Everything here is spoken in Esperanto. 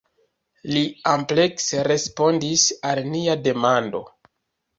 Li amplekse respondis al nia demando.